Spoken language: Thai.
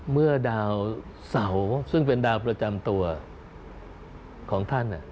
เมื่อดาวเสาซึ่งเป็นดาวประจำตัวของท่าน